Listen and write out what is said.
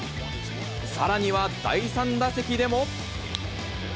さらには第３打席でも。